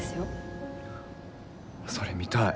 それ見たい。